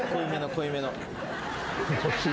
濃いめの。